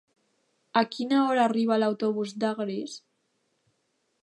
A quina hora arriba l'autobús d'Agres?